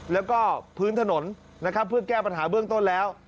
แล้วก็พื้นถนนนะครับเพื่อแก้ปัญหาเบื้องต้นแล้ว